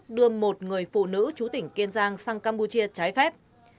trái phép đưa một người phụ nữ chú tỉnh kiên giang sang campuchia trái phép